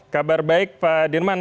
kabar baik pak dirman